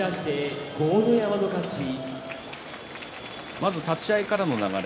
まず立ち合いからの流れ